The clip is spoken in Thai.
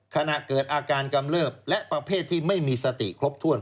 ขณะเกิดอาการกำเลิบและประเภทที่ไม่มีสติครบถ้วน